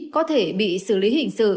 có thể bị xử lý hình sự